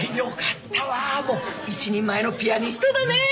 もう一人前のピアニストだね！